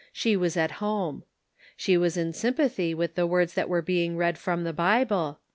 She was at home. She was in sympathy witli the words that were being read from the Bible.